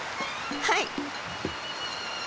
はい！